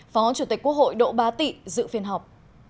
phó chủ tịch quốc hội đỗ ba tị dự phiên họp